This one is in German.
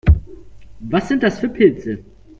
Was sind das für Pilze?